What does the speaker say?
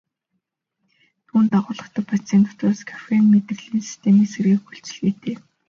Түүнд агуулагдах бодисын дотроос кофеин мэдрэлийн системийг сэргээх үйлчилгээтэй.